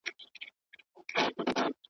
چي به کله د دمې لپاره تم سو .